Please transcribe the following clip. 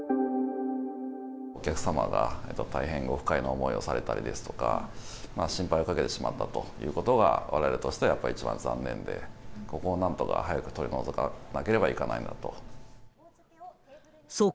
お客様が大変ご不快な思いをされたりですとか、心配をかけてしまったということがわれわれとしてはやっぱり一番残念で、ここをなんとか早く取り除かなくてはいけないなと。